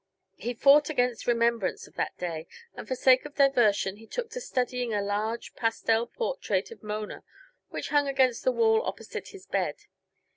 He fought against remembrance of that day; and for sake of diversion he took to studying a large, pastel portrait of Mona which hung against the wall opposite his bed.